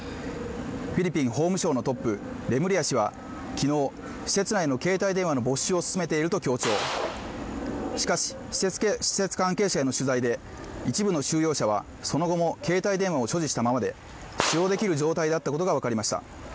フィリピン法務省のトップレムリヤ氏は昨日施設内の携帯電話の没収を進めていると強調しかし施設関係者への取材で一部の収容者はその後も携帯電話を所持したままで使用できる状態だったことが分かりました